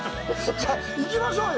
じゃあ行きましょうよ。